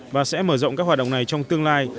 và sẽ mở rộng các hoạt động này trong tương lai